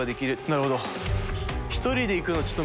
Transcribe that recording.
なるほど。